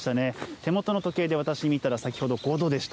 手元の時計で私、見たら、先ほど５度でした。